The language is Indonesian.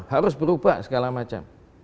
harus berubah segala macam